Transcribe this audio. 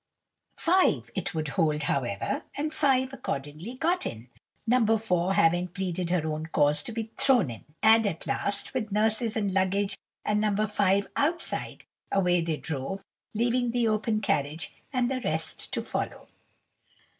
Five it would hold, however, and five accordingly got in, No. 4 having pleaded her own cause to be "thrown in:" and at last, with nurses and luggage and No. 5 outside, away they drove, leaving the open carriage and the rest to follow.